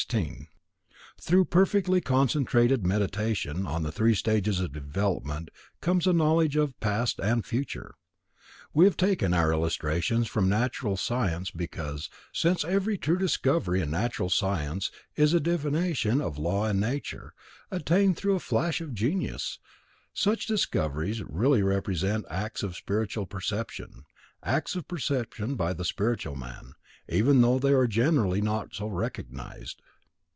Through perfectly concentrated Meditation on the three stages of development comes a knowledge of past and future. We have taken our illustrations from natural science, because, since every true discovery in natural science is a divination of a law in nature, attained through a flash of genius, such discoveries really represent acts of spiritual perception, acts of perception by the spiritual man, even though they are generally not so recognized.